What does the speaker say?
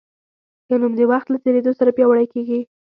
ښه نوم د وخت له تېرېدو سره پیاوړی کېږي.